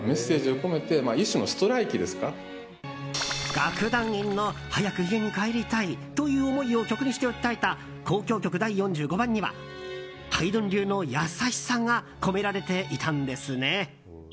楽団員の早く家に帰りたいという思いを曲にして訴えた「交響曲第４５番」にはハイドン流の優しさが込められていたんですね。